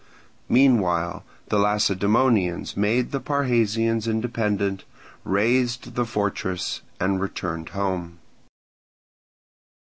Meanwhile the Lacedaemonians made the Parrhasians independent, razed the fortress, and returned home.